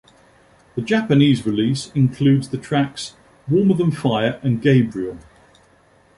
The Japanese release includes the tracks "Warmer Than Fire" and "Gabriel".